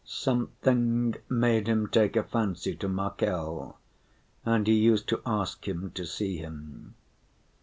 Something made him take a fancy to Markel, and he used to ask him to see him.